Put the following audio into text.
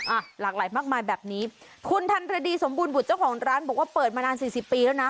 อ่ะหลากหลายมากมายแบบนี้คุณทันรดีสมบูรณบุตรเจ้าของร้านบอกว่าเปิดมานานสี่สิบปีแล้วนะ